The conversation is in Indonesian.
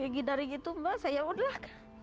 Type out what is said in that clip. udah lah dari itu mbak saya udah lah